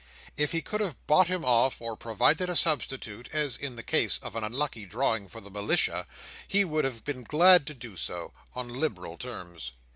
If he could have bought him off, or provided a substitute, as in the case of an unlucky drawing for the militia, he would have been glad to do so, on liberal terms.